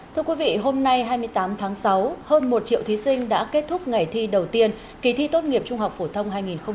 thưa quý vị hôm nay hai mươi tám tháng sáu hơn một triệu thí sinh đã kết thúc ngày thi đầu tiên kỳ thi tốt nghiệp trung học phổ thông hai nghìn hai mươi